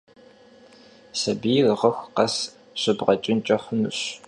Sabiyr ğıxu khes zıxuêyr yêptıme şıbğeç'ınç'eri xhunuş.